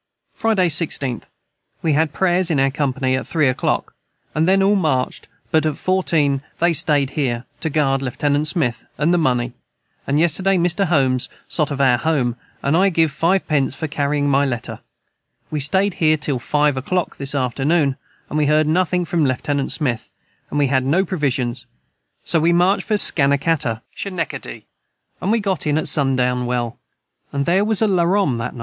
] Friday 16th. We had Prayers in our company at 3 Ock then all marched of but 14 and they stayed here to guard Lieut Smith and the money and yesterday Mr. Holmes sot of for Home and I giv 5 pence for carring my letter we stayed here til 5 oclock this afternoon and we heard nothing from Lieut Smith and we had no provisions so we marched for Scanacata and we got in at Son down well & their was a Larrom this night.